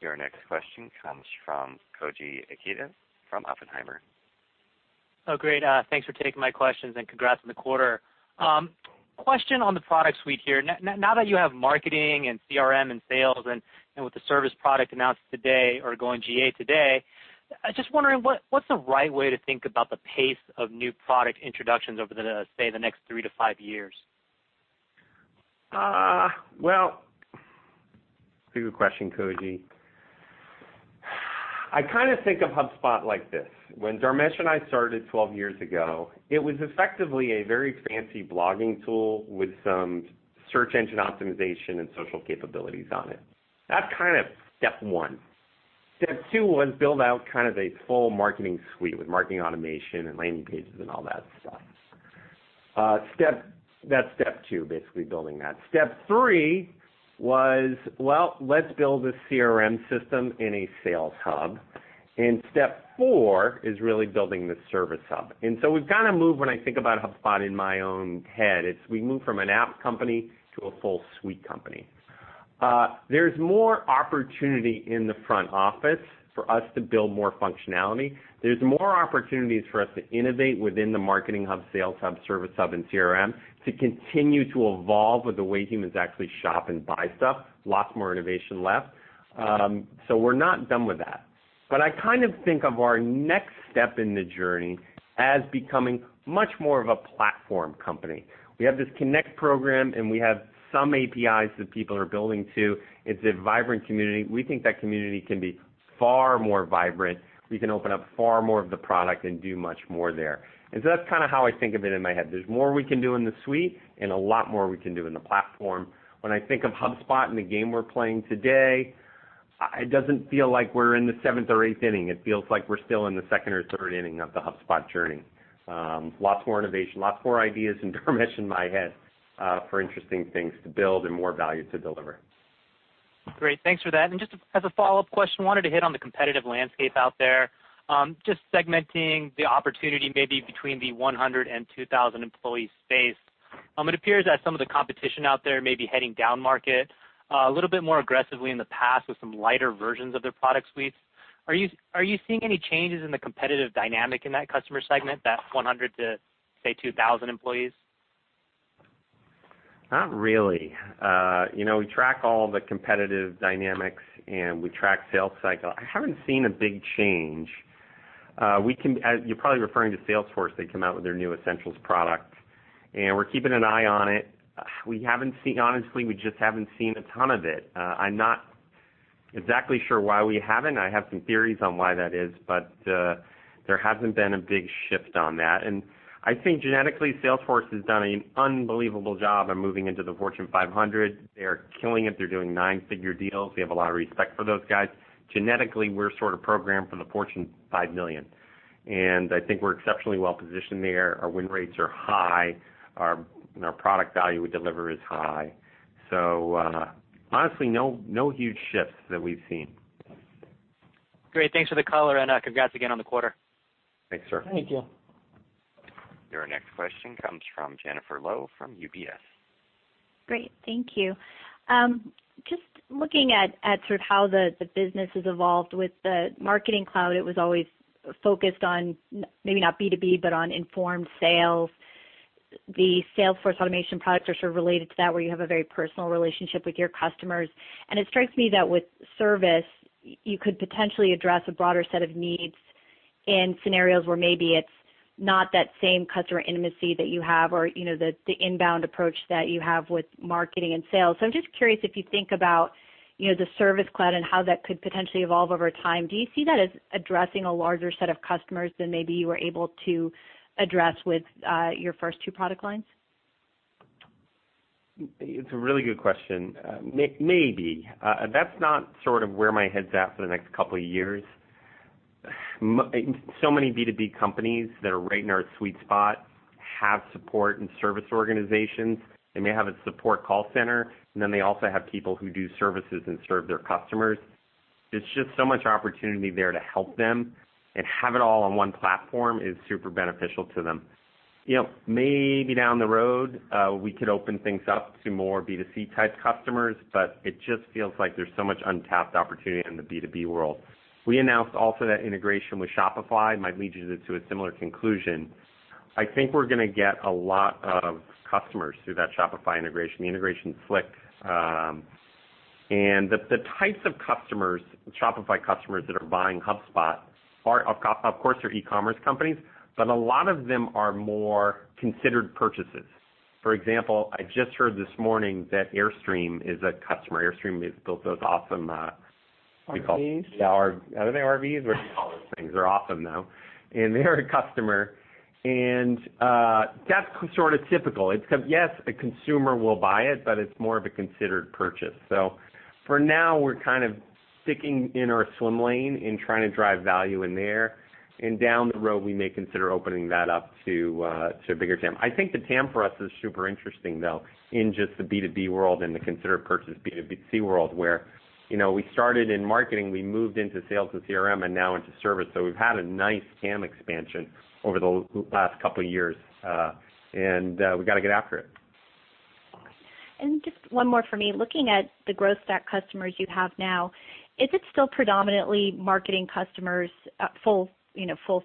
Your next question comes from Koji Ikeda from Oppenheimer. Oh, great. Thanks for taking my questions. Congrats on the quarter. Question on the product suite here. Now that you have Marketing and CRM and Sales, and with the Service Hub announced today or going GA today, I'm just wondering what's the right way to think about the pace of new product introductions over the, say, the next three to five years? Well, it's a good question, Koji. I kind of think of HubSpot like this. When Dharmesh and I started 12 years ago, it was effectively a very fancy blogging tool with some search engine optimization and social capabilities on it. That's kind of step 1. Step 2 was build out kind of a full Marketing Hub with marketing automation and landing pages and all that stuff. That's step 2, basically, building that. Step 3 was, well, let's build a CRM system in a Sales Hub, and step 4 is really building the Service Hub. We've kind of moved, when I think about HubSpot in my own head, it's we moved from an app company to a full suite company. There's more opportunity in the front office for us to build more functionality. There's more opportunities for us to innovate within the Marketing Hub, Sales Hub, Service Hub, and CRM to continue to evolve with the way humans actually shop and buy stuff. Lots more innovation left. We're not done with that, but I kind of think of our next step in the journey as becoming much more of a platform company. We have this Connect Program, and we have some APIs that people are building to. It's a vibrant community. We think that community can be far more vibrant. We can open up far more of the product and do much more there. That's kind of how I think of it in my head. There's more we can do in the suite, and a lot more we can do in the platform. When I think of HubSpot and the game we're playing today, it doesn't feel like we're in the seventh or eighth inning. It feels like we're still in the second or third inning of the HubSpot journey. Lots more innovation, lots more ideas in Dharmesh and my head for interesting things to build and more value to deliver. Great. Thanks for that. Just as a follow-up question, wanted to hit on the competitive landscape out there. Just segmenting the opportunity maybe between the 100 and 2,000 employee space. It appears that some of the competition out there may be heading down market a little bit more aggressively in the past with some lighter versions of their product suites. Are you seeing any changes in the competitive dynamic in that customer segment, that 100 to, say, 2,000 employees? Not really. We track all the competitive dynamics, and we track sales cycle. I haven't seen a big change. You're probably referring to sales force. They come out with their new Essentials product, and we're keeping an eye on it. Honestly, we just haven't seen a ton of it. I'm not exactly sure why we haven't. I have some theories on why that is, but there hasn't been a big shift on that, and I think genetically, sales force has done an unbelievable job of moving into the Fortune 500. They are killing it. They're doing nine-figure deals. We have a lot of respect for those guys. Genetically, we're sort of programmed for the Fortune 5 million, and I think we're exceptionally well-positioned there. Our win rates are high. Our product value we deliver is high. Honestly, no huge shifts that we've seen. Great. Thanks for the color. Congrats again on the quarter. Thanks, sir. Thank you. Your next question comes from Jennifer Lowe from UBS. Great. Thank you. Just looking at sort of how the business has evolved with the Marketing Cloud, it was always focused on maybe not B2B, but on inbound sales. The sales force automation products are sort of related to that, where you have a very personal relationship with your customers, and it strikes me that with service, you could potentially address a broader set of needs in scenarios where maybe it's not that same customer intimacy that you have, or the inbound approach that you have with marketing and sales. I'm just curious if you think about the Service Hub and how that could potentially evolve over time. Do you see that as addressing a larger set of customers than maybe you were able to address with your first two product lines? It's a really good question. Maybe. That's not sort of where my head's at for the next couple of years. Many B2B companies that are right in our sweet spot have support and service organizations. They may have a support call center, they also have people who do services and serve their customers. There's just so much opportunity there to help them, and have it all on one platform is super beneficial to them. Maybe down the road, we could open things up to more B2C type customers, but it just feels like there's so much untapped opportunity in the B2B world. We announced also that integration with Shopify might lead you to a similar conclusion. I think we're going to get a lot of customers through that Shopify integration. The integration is slick. The types of customers, Shopify customers, that are buying HubSpot are, of course, your e-commerce companies, but a lot of them are more considered purchases. For example, I just heard this morning that Airstream is a customer. Airstream is built those awesome- RVs? Yeah. Are they RVs? What do you call those things? They're awesome, though. They're a customer, and that's sort of typical. It's because, yes, a consumer will buy it, but it's more of a considered purchase. For now, we're kind of sticking in our swim lane and trying to drive value in there, and down the road, we may consider opening that up to a bigger TAM. I think the TAM for us is super interesting, though, in just the B2B world and the considered purchase B2C world, where we started in marketing, we moved into sales with CRM, and now into service. We've had a nice TAM expansion over the last couple of years, and we've got to get after it. Just one more for me. Looking at the Growth Stack customers you have now, is it still predominantly marketing customers, full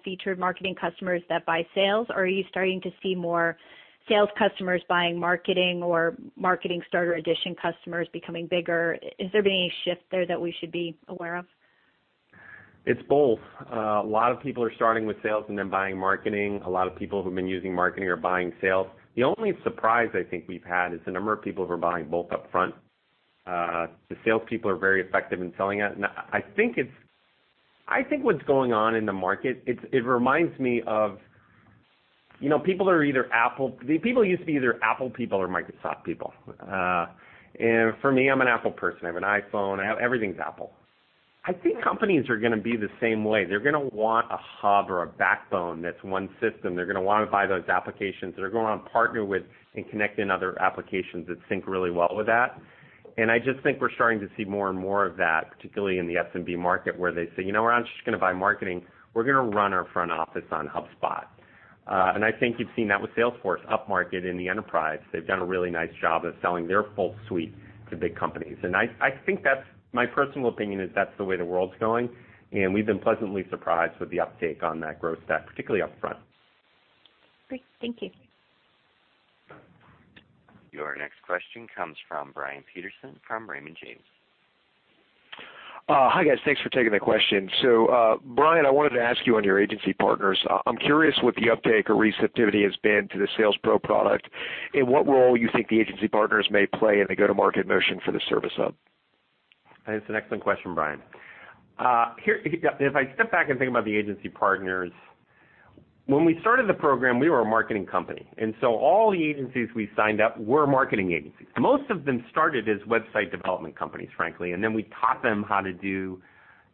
featured marketing customers that buy sales, or are you starting to see more sales customers buying marketing or marketing starter edition customers becoming bigger? Is there any shift there that we should be aware of? It's both. A lot of people are starting with sales and then buying marketing. A lot of people who've been using marketing are buying sales. The only surprise I think we've had is the number of people who are buying both upfront. The salespeople are very effective in selling it. I think what's going on in the market, it reminds me of people used to be either Apple people or Microsoft people. For me, I'm an Apple person. I have an iPhone. Everything's Apple. I think companies are going to be the same way. They're going to want a hub or a backbone that's one system. They're going to want to buy those applications. They're going to want to partner with and connect in other applications that sync really well with that. I just think we're starting to see more and more of that, particularly in the SMB market, where they say, "We're not just going to buy marketing. We're going to run our front office on HubSpot." I think you've seen that with sales force upmarket in the enterprise. They've done a really nice job of selling their full suite to big companies. I think, my personal opinion is, that's the way the world's going, and we've been pleasantly surprised with the uptake on that Growth Stack, particularly upfront. Great. Thank you. Your next question comes from Brian Peterson from Raymond James. Hi, guys. Thanks for taking the question. Brian, I wanted to ask you on your agency partners, I'm curious what the uptake or receptivity has been to the Sales Pro product, and what role you think the agency partners may play in the go-to-market motion for the Service Hub. That's an excellent question, Brian. If I step back and think about the agency partners, when we started the program, we were a marketing company, all the agencies we signed up were marketing agencies. Most of them started as website development companies, frankly, then we taught them how to do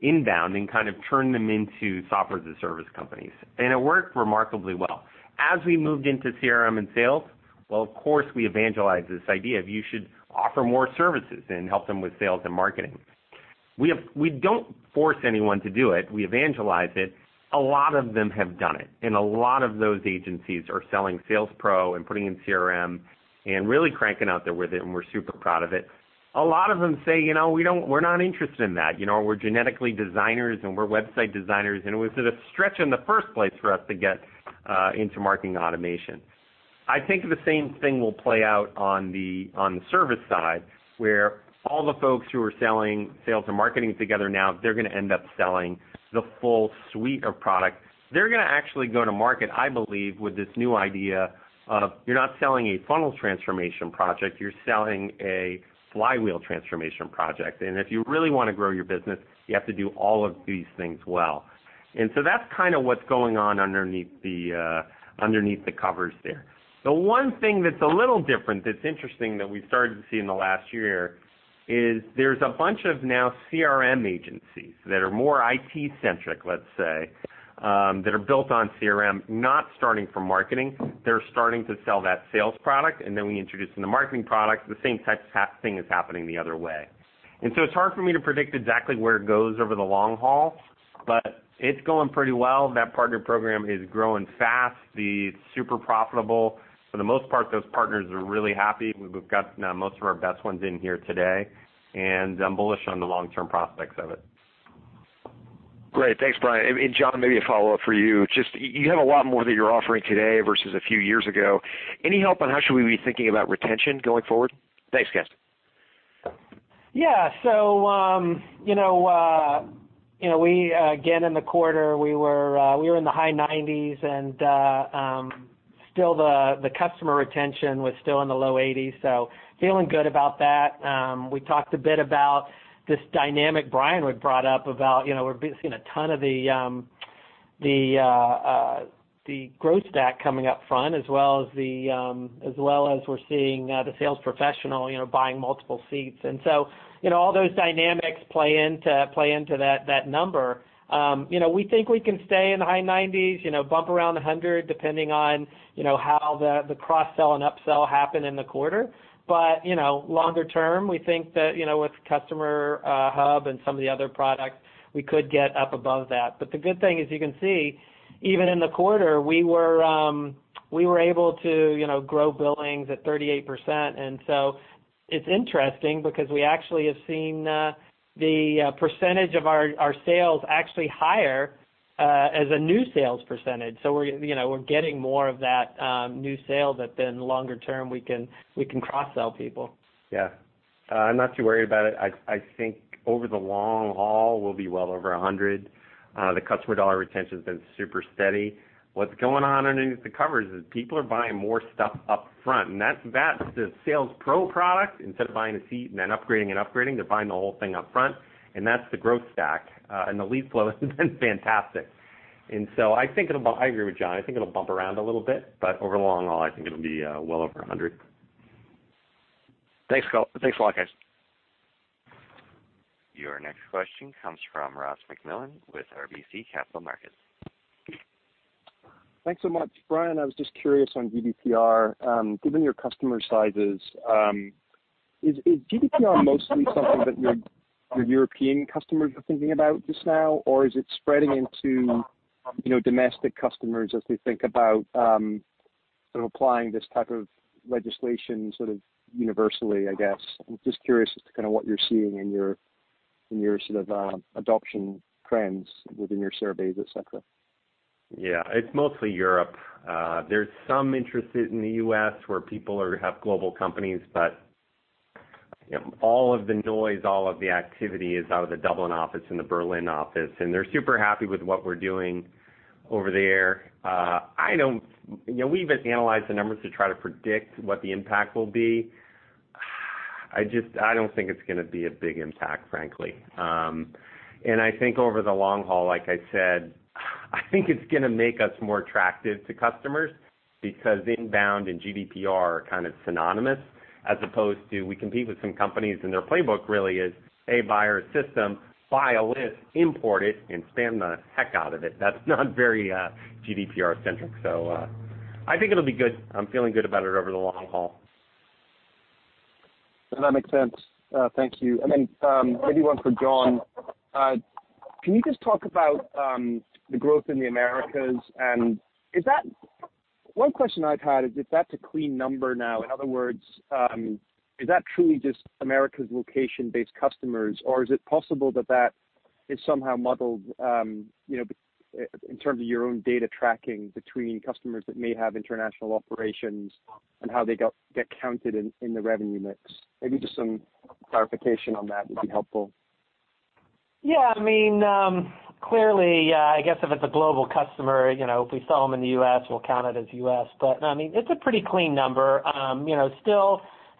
inbound and kind of turned them into software as a service company. It worked remarkably well. As we moved into CRM and sales, well, of course, we evangelized this idea of you should offer more services and help them with sales and marketing. We don't force anyone to do it. We evangelize it. A lot of them have done it, a lot of those agencies are selling Sales Pro and putting in CRM and really cranking out there with it, we're super proud of it. A lot of them say, "We're not interested in that. We're genetically designers, we're website designers, it was a stretch in the first place for us to get into marketing automation." I think the same thing will play out on the service side, where all the folks who are selling sales and marketing together now, they're going to end up selling the full suite of product. They're going to actually go to market, I believe, with this new idea of you're not selling a funnel transformation project, you're selling a flywheel transformation project. If you really want to grow your business, you have to do all of these things well. That's kind of what's going on underneath the covers there. The one thing that's a little different that's interesting that we started to see in the last year is there's a bunch of now CRM agencies that are more IT-centric, let's say, that are built on CRM, not starting from marketing. They're starting to sell that sales product, then we introduce them to marketing products. The same type of thing is happening the other way. It's hard for me to predict exactly where it goes over the long haul, but it's going pretty well. That partner program is growing fast. It's super profitable. For the most part, those partners are really happy. We've got most of our best ones in here today, I'm bullish on the long-term prospects of it. Great. Thanks, Brian. John, maybe a follow-up for you. Just, you have a lot more that you're offering today versus a few years ago. Any help on how should we be thinking about retention going forward? Thanks, guys. Yeah. Again, in the quarter, we were in the high 90s, and still the customer retention was still in the low 80s, feeling good about that. We talked a bit about this dynamic Brian had brought up about, we're seeing a ton of the Growth Stack coming up front, as well as we're seeing the Sales Hub Professional buying multiple seats. All those dynamics play into that number. We think we can stay in the high 90s, bump around 100, depending on how the cross-sell and up-sell happen in the quarter. Longer term, we think that with Customer Hub and some of the other products, we could get up above that. The good thing is you can see even in the quarter, we were able to grow billings at 38%. It's interesting because we actually have seen the percentage of our sales actually higher as a new sales percentage. We're getting more of that new sale that then longer term, we can cross-sell people. Yeah. I'm not too worried about it. I think over the long haul, we'll be well over 100. The customer dollar retention's been super steady. What's going on underneath the covers is people are buying more stuff upfront, that's the Sales Pro product. Instead of buying a seat and then upgrading and upgrading, they're buying the whole thing upfront, that's the Growth Stack. The lead flow has been fantastic. I agree with John. I think it'll bump around a little bit, over the long haul, I think it'll be well over 100. Thanks a lot, guys. Your next question comes from Ross MacMillan with RBC Capital Markets. Thanks so much. Brian, I was just curious on GDPR. Given your customer sizes, is GDPR mostly something that you're. Your European customers are thinking about this now, or is it spreading into domestic customers as they think about sort of applying this type of legislation universally, I guess? I'm just curious as to what you're seeing in your sort of adoption trends within your surveys, et cetera. Yeah, it's mostly Europe. There's some interest in the U.S. where people have global companies, but all of the noise, all of the activity is out of the Dublin office and the Berlin office, and they're super happy with what we're doing over there. We've analyzed the numbers to try to predict what the impact will be. I don't think it's going to be a big impact, frankly. I think over the long haul, like I said, I think it's going to make us more attractive to customers because Inbound and GDPR are kind of synonymous as opposed to, we compete with some companies and their playbook really is, A, buy our system, buy a list, import it, and spam the heck out of it. That's not very GDPR centric. I think it'll be good. I'm feeling good about it over the long haul. That makes sense. Thank you. Then maybe one for John. Can you just talk about the growth in the Americas, and one question I've had is if that's a clean number now, in other words, is that truly just Americas location-based customers, or is it possible that that is somehow muddled in terms of your own data tracking between customers that may have international operations and how they get counted in the revenue mix? Maybe just some clarification on that would be helpful. Yeah. Clearly, I guess if it's a global customer, if we sell them in the U.S., we'll count it as U.S. It's a pretty clean number.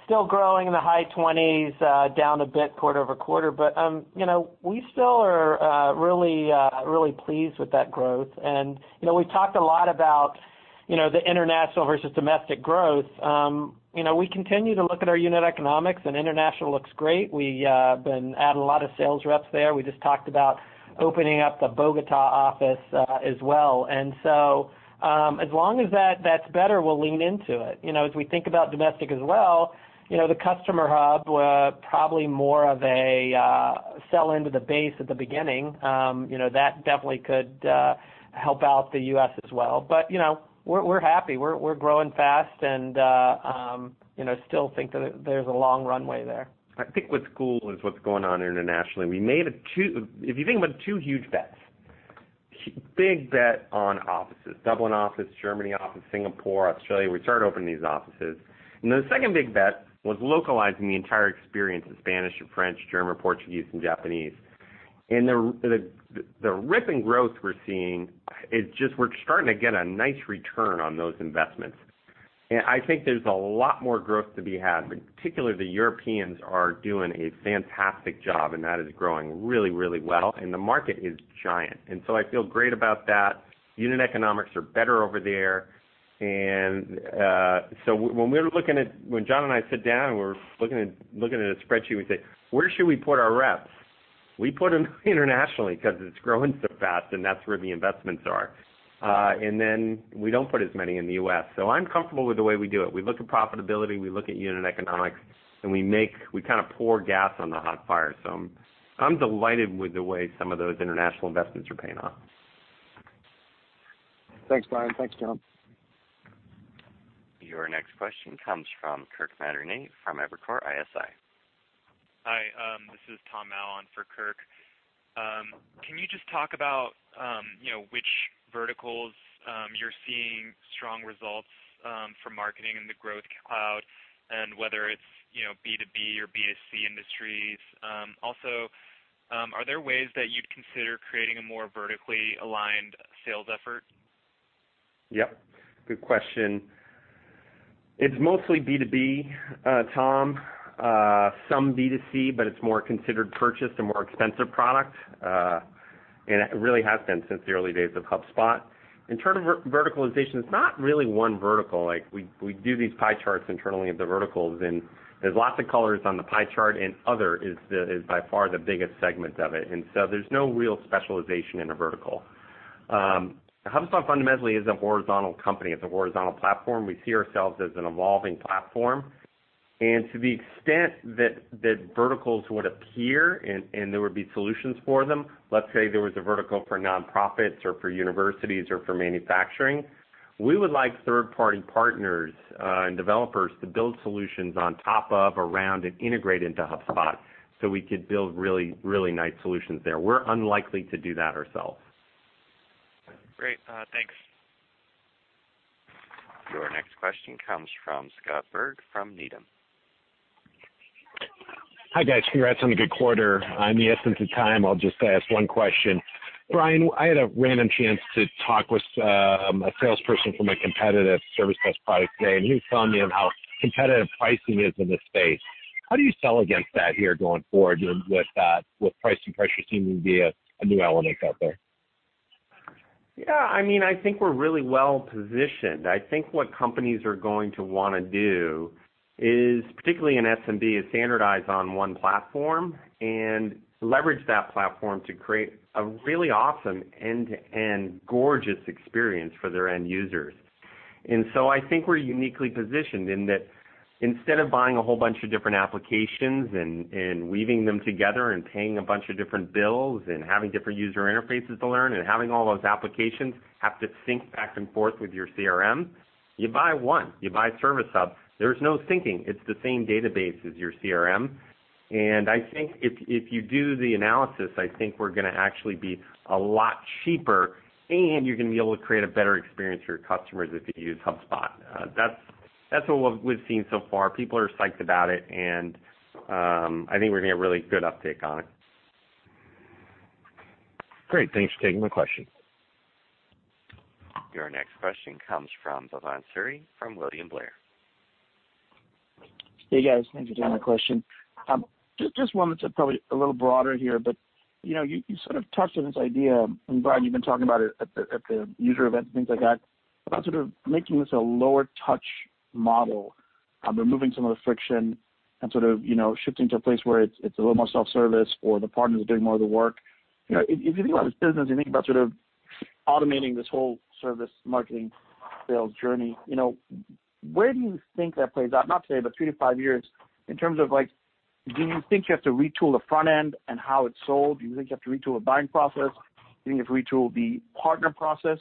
Still growing in the high 20s, down a bit quarter-over-quarter. We still are really pleased with that growth. We've talked a lot about the international versus domestic growth. We continue to look at our unit economics, and international looks great. We've been adding a lot of sales reps there. We just talked about opening up the Bogotá office as well. So, as long as that's better, we'll lean into it. As we think about domestic as well, the Customer Hub, probably more of a sell into the base at the beginning. That definitely could help out the U.S. as well. We're happy. We're growing fast, and still think that there's a long runway there. I think what's cool is what's going on internationally. If you think about 2 huge bets, big bet on offices, Dublin office, Germany office, Singapore, Australia. We started opening these offices. The second big bet was localizing the entire experience in Spanish or French, German, Portuguese, and Japanese. The rip in growth we're seeing is just we're starting to get a nice return on those investments. I think there's a lot more growth to be had, particularly the Europeans are doing a fantastic job, and that is growing really well, and the market is giant. So I feel great about that. Unit economics are better over there. So when John and I sit down and we're looking at a spreadsheet, we say, "Where should we put our reps?" We put them internationally because it's growing so fast, and that's where the investments are. We don't put as many in the U.S. I'm comfortable with the way we do it. We look at profitability, we look at unit economics, and we kind of pour gas on the hot fire. I'm delighted with the way some of those international investments are paying off. Thanks, Brian. Thanks, John. Your next question comes from Kirk Materne from Evercore ISI. Hi, this is Tom Allan for Kirk. Can you just talk about which verticals you're seeing strong results from marketing in the Growth Stack, and whether it's B2B or B2C industries? Also, are there ways that you'd consider creating a more vertically aligned sales effort? Yep. Good question. It's mostly B2B, Tom, some B2C, but it's more considered purchase, a more expensive product. It really has been since the early days of HubSpot. In terms of verticalization, it's not really one vertical. We do these pie charts internally of the verticals. There's lots of colors on the pie chart, and other is by far the biggest segment of it. There's no real specialization in a vertical. HubSpot fundamentally is a horizontal company. It's a horizontal platform. We see ourselves as an evolving platform. To the extent that verticals would appear, and there would be solutions for them, let's say there was a vertical for nonprofits or for universities or for manufacturing, we would like third-party partners and developers to build solutions on top of, around, and integrate into HubSpot so we could build really nice solutions there. We're unlikely to do that ourselves. Great. Thanks. Your next question comes from Scott Berg from Needham. Hi, guys. Congrats on the good quarter. In the essence of time, I'll just ask one question. Brian, I had a random chance to talk with a salesperson from a competitive service desk product today, and he was telling me of how competitive pricing is in this space. How do you sell against that here going forward with pricing pressure seeming to be a new element out there? Yeah, I think we're really well-positioned. I think what companies are going to want to do is, particularly in SMB, is standardize on one platform and leverage that platform to create a really awesome end-to-end gorgeous experience for their end users. I think we're uniquely positioned in that instead of buying a whole bunch of different applications and weaving them together, and paying a bunch of different bills, and having different user interfaces to learn, and having all those applications have to sync back and forth with your CRM, you buy one. You buy Service Hub. There's no syncing. It's the same database as your CRM. I think if you do the analysis, I think we're going to actually be a lot cheaper, and you're going to be able to create a better experience for your customers if you use HubSpot. That's what we've seen so far. People are psyched about it, and I think we're going to get really good uptake on it. Great. Thanks for taking my question. Your next question comes from Bhavan Suri from William Blair. Hey, guys. Thanks for taking my question. Just wanted to probably a little broader here, but you sort of touched on this idea, and Brian, you've been talking about it at the user event and things like that, about sort of making this a lower touch model, removing some of the friction and sort of shifting to a place where it's a little more self-service or the partner's doing more of the work. If you think about this business and think about sort of automating this whole service marketing sales journey, where do you think that plays out? Not today, but three to five years in terms of like, do you think you have to retool the front end and how it's sold? Do you think you have to retool a buying process? Do you think you have to retool the partner process?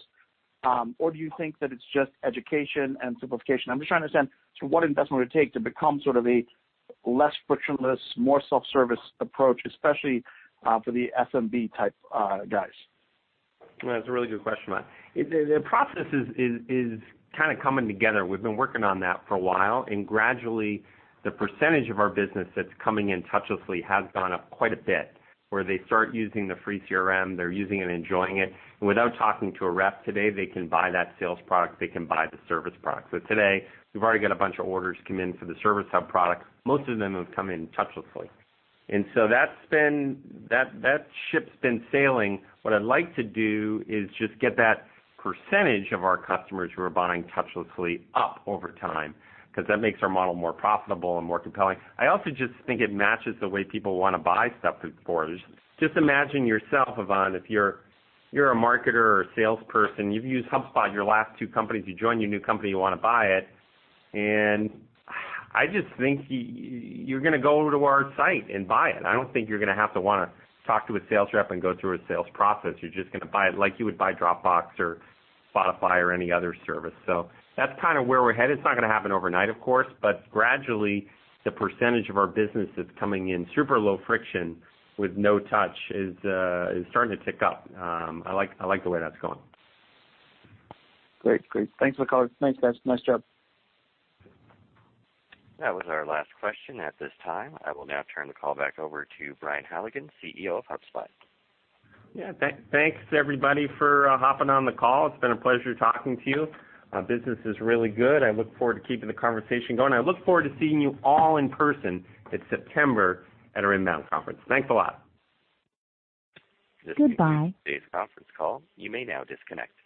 Do you think that it's just education and simplification? I'm just trying to understand sort of what investment would it take to become sort of a less frictionless, more self-service approach, especially for the SMB type guys. That's a really good question, Bhavan. The process is kind of coming together. We've been working on that for a while, and gradually the percentage of our business that's coming in touchlessly has gone up quite a bit, where they start using the free CRM, they're using it and enjoying it. Without talking to a rep today, they can buy that sales product, they can buy the service product. Today, we've already got a bunch of orders come in for the Service Hub product. Most of them have come in touchlessly. That ship's been sailing. What I'd like to do is just get that percentage of our customers who are buying touchlessly up over time, because that makes our model more profitable and more compelling. I also just think it matches the way people want to buy stuff forward. Just imagine yourself, Bhavan, if you're a marketer or a salesperson, you've used HubSpot in your last two companies, you join your new company, you want to buy it. I just think you're going to go over to our site and buy it. I don't think you're going to have to want to talk to a sales rep and go through a sales process. You're just going to buy it like you would buy Dropbox or Spotify or any other service. That's kind of where we're headed. It's not going to happen overnight, of course, but gradually, the percentage of our business that's coming in super low friction with no touch is starting to tick up. I like the way that's going. Great. Thanks for the call. Thanks, guys. Nice job. That was our last question at this time. I will now turn the call back over to Brian Halligan, CEO of HubSpot. Yeah. Thanks, everybody, for hopping on the call. It's been a pleasure talking to you. Business is really good. I look forward to keeping the conversation going. I look forward to seeing you all in person in September at our Inbound conference. Thanks a lot. This concludes today's conference call. You may now disconnect.